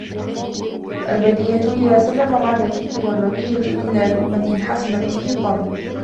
الْبَدِيهَةُ إذَا سَلَّمَ بَعْدَ الْفِكْرِ وَالرَّوِيَّةِ إلَّا لُؤْمًا إنْ حَسُنَ فِيهِ الظَّنُّ